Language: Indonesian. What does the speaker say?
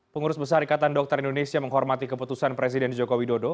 pengurus besar ikatan dokter indonesia menghormati keputusan presiden joko widodo